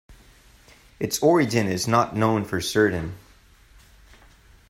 Its origin is not known for certain.